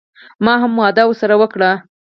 ما هم وعده ورسره وکړه.